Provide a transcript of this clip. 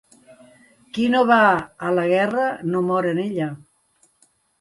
Qui no va a la guerra no mor en ella.